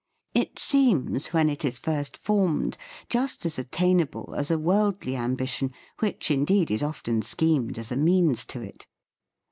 It seems, when it is first formed, just as attainable as a worldly ambition which indeed is often schemed as a means to it.